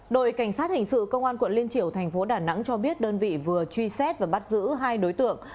đội cảnh sát hình sự công an quận liên triểu thành phố đà nẵng cho biết đơn vị vừa truy xét và bắt giữ hai đối tượng